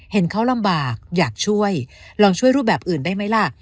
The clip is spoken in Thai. เห็นเขาลำบากอยากช่วยลองช่วยรูปแบบอื่นได้ไหมล่ะ